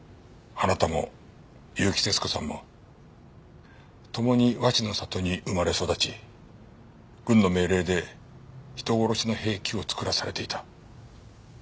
あなたも結城節子さんもともに和紙の里に生まれ育ち軍の命令で人殺しの兵器を作らされていた。